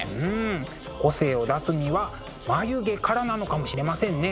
個性を出すには眉毛からなのかもしれませんね。